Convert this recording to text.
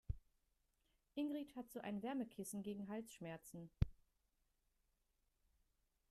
Ingrid hat so ein Wärmekissen gegen Halsschmerzen.